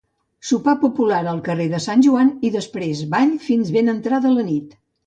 Sopar popular al carrer Sant Joan i després ball fins ben entrada la nit.